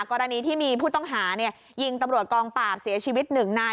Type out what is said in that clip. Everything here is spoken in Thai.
กรณีที่มีผู้ต้องหายิงตำรวจกองปราบเสียชีวิตหนึ่งนาย